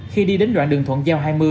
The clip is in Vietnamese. khi đi đến đoạn đường thuận giao hai mươi